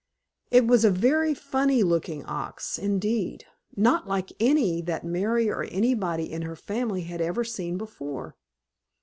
It was a very funny looking ox, indeed, not like any that Mary or anybody in her family had ever seen before.